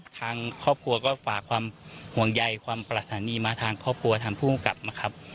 ทางครอบครัวก็ฝากความห่วงใยความประหารีมาทางครอบครัวทางภูมิกับนะครับ